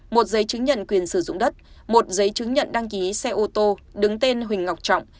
một giấy chứng nhận quyền sử dụng đất một giấy chứng nhận đăng ký xe ô tô đứng tên huỳnh ngọc trọng